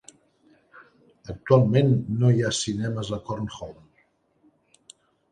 Actualment no hi ha cinemes a Cornholme.